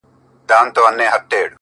راسه دروې ښيم!